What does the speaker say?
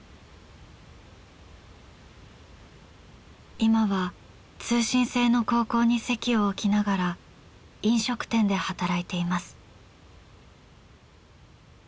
今は通信制の高校に籍を置きながら飲食店で働いています。